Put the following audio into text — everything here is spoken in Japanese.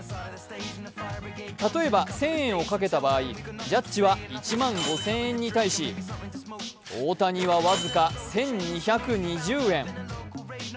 例えば、１０００円を賭けた場合、ジャッジは１万５０００円に対し大谷は僅か１２２０円。